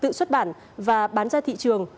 tự xuất bản và bán ra thị trường